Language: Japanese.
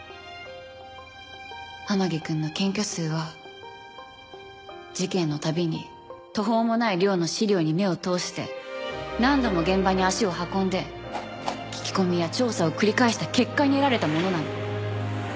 天樹くんの検挙数は事件の度に途方もない量の資料に目を通して何度も現場に足を運んで聞き込みや調査を繰り返した結果に得られたものなの。